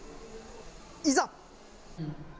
いざ。